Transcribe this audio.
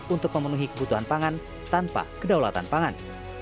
untuk memenuhi kebutuhan pangan tanpa kedaulatan pangan